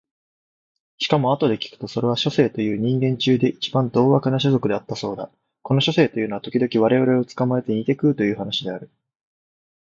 しかもあとで聞くとそれは書生という人間中で一番獰悪どうあくな種族であったそうだ。この書生というのは時々我々を捕つかまえて煮にて食うという話である。